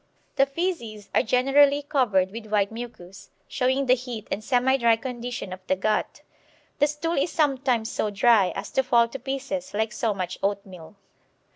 The faeces are generally covered with white mucus, showing the heat and semi dry condition of the gut. The stool is sometimes so dry as to fall to pieces like so much oatmeal.